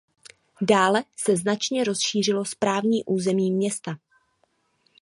Dále se značně rozšířilo správní území města.